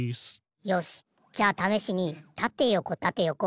よしじゃあためしにたてよこたてよこ